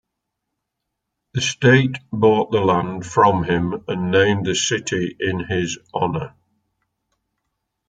The state bought the land from him and named the city in his honor.